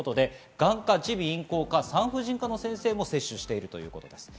眼科、耳鼻咽喉科、産婦人科の先生も接種しているということです。